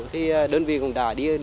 thì đơn vị cũng đã đi